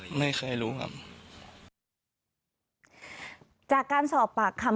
ฟังเสียงลูกจ้างรัฐตรเนธค่ะ